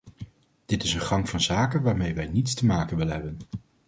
Dit is een gang van zaken waarmee wij niets te maken willen hebben.